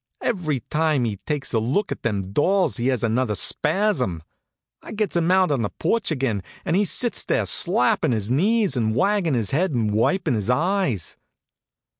Every time he takes a look at them dolls he has another spasm. I gets him out on the porch again, and he sits there slappin' his knees and waggin' his head and wipin' his eyes.